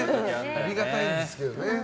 ありがたいんですけどね。